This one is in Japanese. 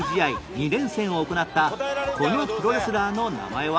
２連戦を行ったこのプロレスラーの名前は？